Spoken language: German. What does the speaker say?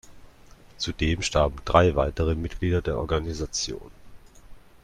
Zudem starben drei weitere Mitglieder der Organisation.